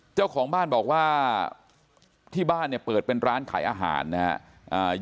เจ้าของบ้านบอกว่าที่บ้านเนี่ยเปิดเป็นร้านขายอาหารนะครับ